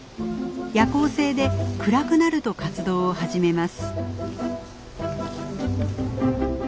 夜行性で暗くなると活動を始めます。